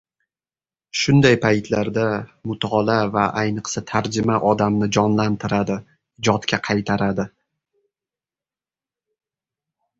Shunday paytlarda mutolaa va ayniqsa tarjima odamni jonlantiradi, ijodga qaytaradi.